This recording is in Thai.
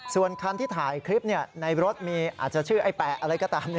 ส่วนคันที่ถ่ายคลิปในรถมีอาจจะชื่อไอ้แปะอะไรก็ตาม